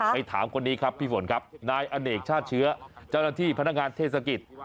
ถามคนนี้ครับพี่ฝนครับนายอเนกชาติเชื้อเจ้าหน้าที่พนักงานเทศกิจ